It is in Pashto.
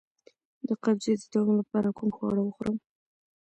د قبضیت د دوام لپاره کوم خواړه وخورم؟